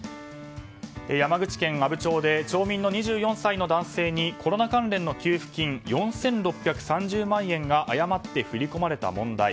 山口県阿武町で町民の２４歳の男性にコロナ関連の給付金４６３０万円が誤って振り込まれた問題。